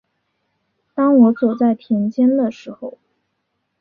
当我走在田间的时候